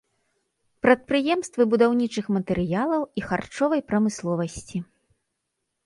Прадпрыемствы будаўнічых матэрыялаў і харчовай прамысловасці.